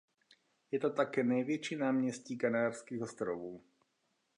Je to také největší náměstí Kanárských ostrovů.